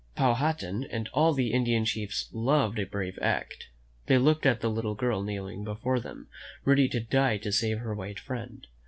Powhatan and all the Indian chiefs loved a brave act. They looked at the little girl kneel ing before them, ready to die to save her white friend.